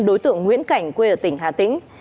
đối tượng nguyễn cảnh quê ở tỉnh hà tĩnh